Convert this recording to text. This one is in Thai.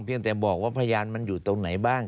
ยังแต่บอกว่าพยานมันอยู่ตรงไหนบ้าง